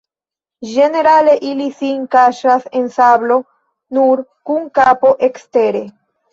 Ĝenerale ili sin kaŝas en sablo, nur kun kapo ekstere.